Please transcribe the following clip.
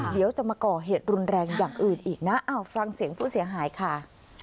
เดี๋ยวจะมาก่อเหตุรุนแรงอย่างอื่นอีกนะฟังเสียงผู้เสียหายค่ะ